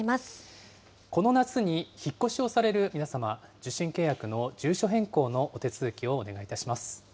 この夏に引っ越しをされる皆様、受信契約の住所変更のお手続きをお願いします。